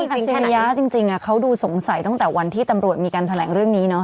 จริงอริยะจริงเขาดูสงสัยตั้งแต่วันที่ตำรวจมีการแถลงเรื่องนี้เนาะ